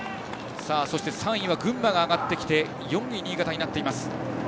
３位は群馬が上がってきて４位に新潟になっています。